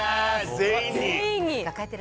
全員に？